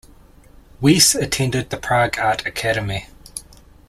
Weiss attended the Prague Art Academy.